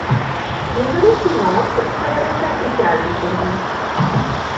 Les années suivantes se révèlent assez calmes pour lui.